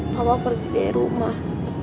papa pergi dari rumah